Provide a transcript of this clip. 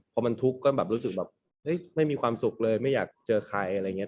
พอมันทุกข์ก็แบบรู้สึกแบบไม่มีความสุขเลยไม่อยากเจอใครอะไรอย่างนี้